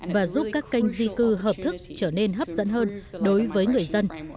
và giúp các kênh di cư hợp thức trở nên hấp dẫn hơn đối với người dân